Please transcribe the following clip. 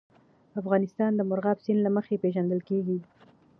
افغانستان د مورغاب سیند له مخې پېژندل کېږي.